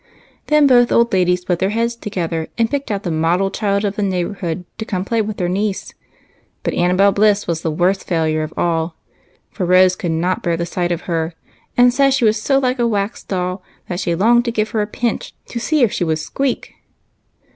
Then both old ladies put their heads together and picked out the model child of the neighborhood to come and play with their niece. But Annabel Bliss was the worst failure of all, for Rose could not bear the sight of her, and said she was so like a wax doll she longed to give her a pinch and see if she would squeak.